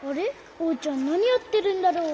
おうちゃんなにやってるんだろう？